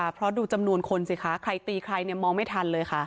เพราะดูจำนวนคนสิคะใครตีใครมองไม่ทันเลยค่ะ